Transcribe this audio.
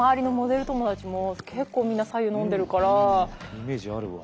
イメージあるわ。